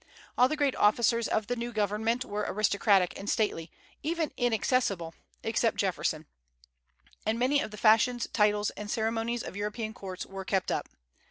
All the great officers of the new government were aristocratic and stately, even inaccessible, except Jefferson; and many of the fashions, titles, and ceremonies of European courts were kept up.